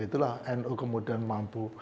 itulah nu kemudian mampu